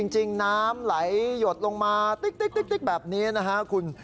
น้ำไหลหยดลงมาติ๊กแบบนี้นะฮะคุณ